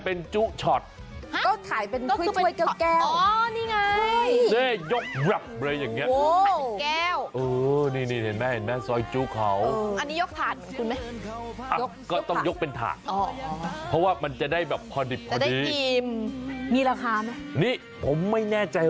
โอ้ยคุณซื้อแพงป่ะเนี่ย